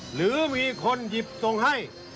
หรือมีคนหยิบส่งให้